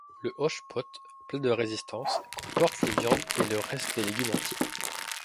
Le hochepot, plat de résistance, comporte les viandes et le reste des légumes entiers.